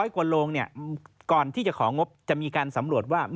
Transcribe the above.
กว่าโรงก่อนที่จะของงบจะมีการสำรวจว่า